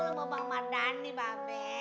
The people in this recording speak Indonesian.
gak mau lo mau bang mardhani babe